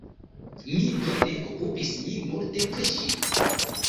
Mi do ne okupis min multe pri ŝi.